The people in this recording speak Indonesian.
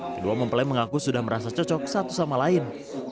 kedua mempelai mengaku sudah merasa cocok satu sama lain